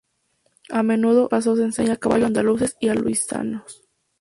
A menudo, este paso se enseña a caballos andaluces y a lusitanos.